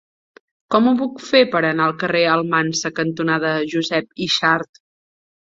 Com ho puc fer per anar al carrer Almansa cantonada Josep Yxart?